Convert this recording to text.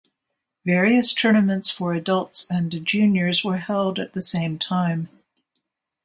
Various tournaments for adults and juniors were held at the same time.